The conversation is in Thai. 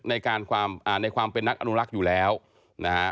ในความเป็นนักอนุรักษ์อยู่แล้วนะครับ